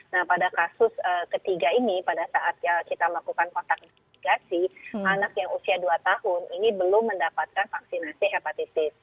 nah pada kasus ketiga ini pada saat kita melakukan kontak investigasi anak yang usia dua tahun ini belum mendapatkan vaksinasi hepatitis